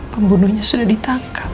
pembunuhnya sudah ditangkap